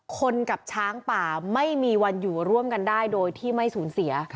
กับช้างป่าไม่มีวันอยู่ร่วมกันได้โดยที่ไม่สูญเสีย